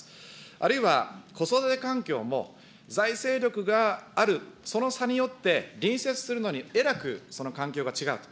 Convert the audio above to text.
あるいは子育て環境も、財政力がある、その差によって隣接するのに、えらくその環境が違うと。